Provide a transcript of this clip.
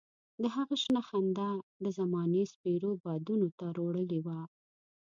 د هغه شنه خندا د زمانې سپېرو بادونو تروړلې وه.